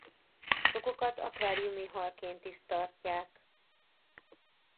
Sokukat akváriumi halként is tartják.